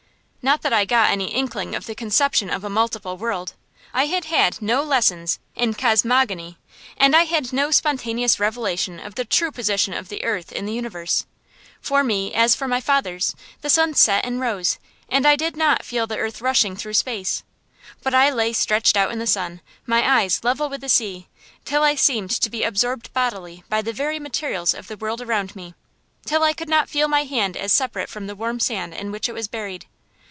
Not that I got any inkling of the conception of a multiple world. I had had no lessons in cosmogony, and I had no spontaneous revelation of the true position of the earth in the universe. For me, as for my fathers, the sun set and rose, and I did not feel the earth rushing through space. But I lay stretched out in the sun, my eyes level with the sea, till I seemed to be absorbed bodily by the very materials of the world around me; till I could not feel my hand as separate from the warm sand in which it was buried.